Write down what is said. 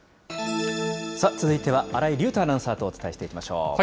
続いては新井隆太アナウンサーとお伝えしていきましょう。